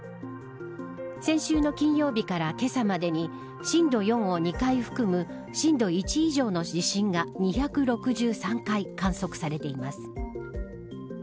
先週の金曜日から、けさまでに震度４を２回含む震度１以上の地震が２６３回観測されています。